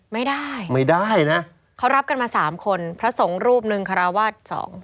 ไม่ได้ไม่ได้นะเขารับกันมาสามคนพระสงฆ์รูปหนึ่งคาราวาสสอง